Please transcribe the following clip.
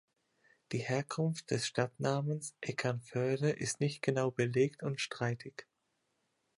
Die Herkunft des Stadtnamens "Eckernförde" ist nicht genau belegt und streitig.